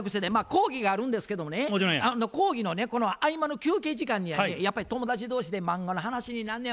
講義があるんですけどもね講義のね合間の休憩時間にやねやっぱり友達同士で漫画の話になんねや。